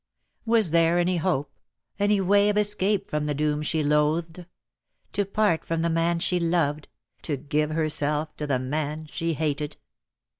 Was there any hope, any way of escape from the doom she loathed: to part from the man she loved, to give herself to the man she hated?